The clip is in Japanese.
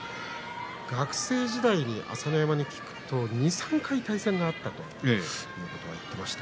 学生時代に朝乃山に聞くと２、３回対戦があったということを言っていました。